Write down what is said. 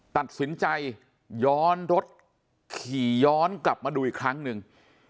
ตัดสินใจย้อนรถขี่ย้อนกลับมาดูอีกครั้งหนึ่ง